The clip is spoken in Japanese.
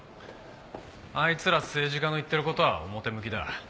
あいつら政治家の言ってる事は表向きだ。